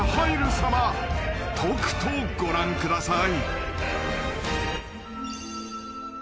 様とくとご覧ください］